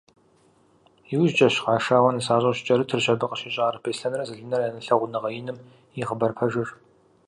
Иужькӏэщ, къашауэ нысащӏэу щыкӏэрытырщ, абы къыщищӏар Беслъэнрэ Залинэрэ я лъагъуныгъэ иным и хъыбар пэжыр.